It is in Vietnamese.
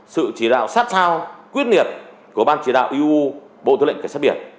sự chỉ đạo sát sao quyết liệt của ban chỉ đạo iuu bộ thứ lệnh cảnh sát biển